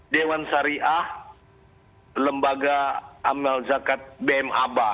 dewan syariah lembaga amel zakat bm aba